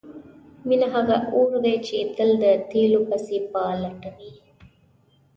مینه هغه اور دی چې تل د تیلو پسې په لټه کې وي.